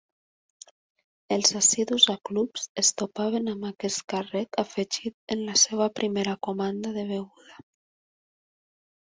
Els assidus a clubs es topaven amb aquest càrrec afegit en la seva primera comanda de beguda.